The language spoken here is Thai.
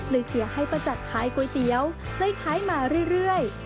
เลยเชียร์ให้ประจาธิ์ขายก๋วยเตี๋ยวเลยขายมาเรื่อย